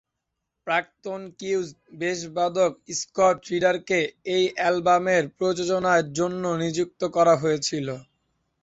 প্রাক্তন cues বেসবাদক Scott রিডারকে এই অ্যালবামের প্রযোজনার জন্য নিযুক্ত করা হয়েছিল।